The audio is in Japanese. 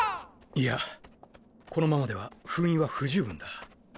いやこのままでは封印は不十分だ。